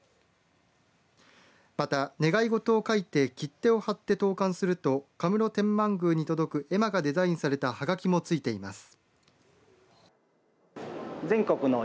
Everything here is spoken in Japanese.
また願い事を書いて切手を貼って投函すると学文路天満宮に届く絵馬がデザインされたはがきもついています。